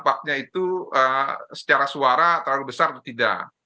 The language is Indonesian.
apakah itu secara suara terlalu besar atau tidak